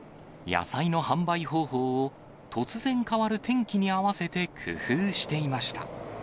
野菜の販売方法を、突然変わる天気に合わせて工夫していました。